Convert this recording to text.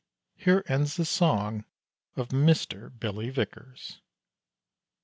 Here ends the song Of Mr. Billy Vickers.